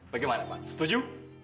bagaimana pak setuju